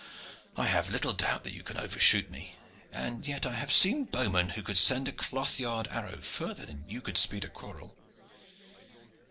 "I have little doubt that you can overshoot me, and yet I have seen bowmen who could send a cloth yard arrow further than you could speed a quarrel."